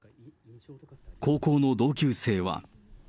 高校の同級生は。